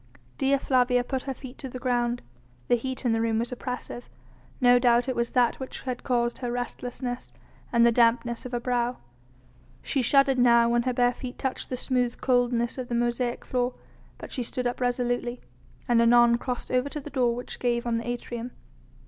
Dea Flavia put her feet to the ground. The heat in the room was oppressive; no doubt it was that which had caused her restlessness, and the dampness of her brow. She shuddered now when her bare feet touched the smooth coldness of the mosaic floor, but she stood up resolutely, and anon crossed over to the door which gave on the atrium.